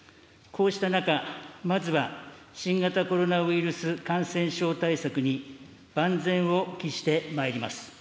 こうした中、まずは新型コロナウイルス感染症対策に万全を期してまいります。